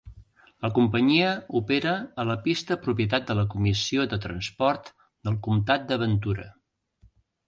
La companyia opera a la pista propietat de la Comissió de Transport del Comtat de Ventura.